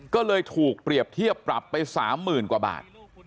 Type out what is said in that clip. ก็เลยถูกเปรียบเทียบปรับไป๓๐๐๐กว่าบาท